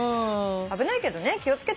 危ないけどね気を付けてほしい。